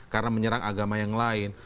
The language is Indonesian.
karena menyerang agama yang lain